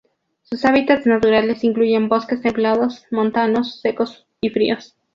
Sus hábitats naturales incluyen bosques templados, montanos secos y ríos.